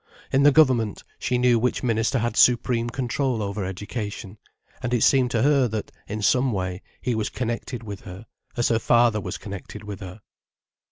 In the government, she knew which minister had supreme control over Education, and it seemed to her that, in some way, he was connected with her, as her father was connected with her.